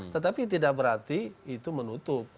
tetapi tidak berarti itu menutup